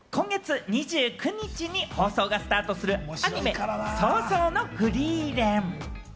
今月２９日に放送がスタートするアニメ『葬送のフリーレン』。